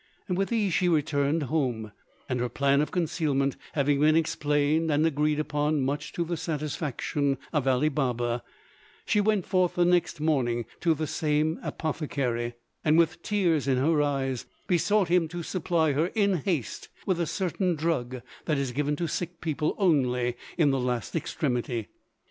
With these she returned home, and her plan of concealment having been explained and agreed upon much to the satisfaction of Ali Baba, she went forth the next morning to the same apothecary, and with tears in her eyes besought him to supply her in haste with a certain drug that is given to sick people only in the last extremity.